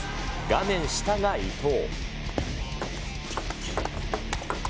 画面下が伊藤。